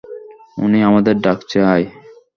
উনি আমাদের ডাকছে, আয়।